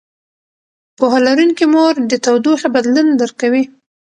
پوهه لرونکې مور د تودوخې بدلون درک کوي.